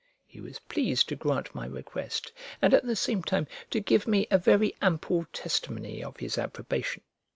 He was pleased to grant my request, and at the same time to give me a very ample testimony of his approbation.